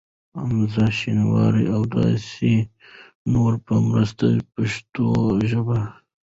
حمزه شینواري ا و داسی نورو په مرسته پښتو ژبه